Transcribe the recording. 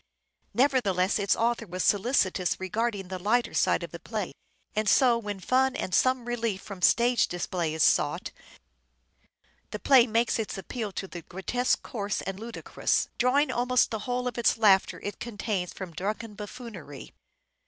' Nevertheless its author was solicitous regarding the lighter side of the play ; and so when fun and some relief from stage display is sought, the play makes its appeal to the grotesque coarse and ludicrous, drawing almost the whole of the laughter it contains from drunken buffoonery.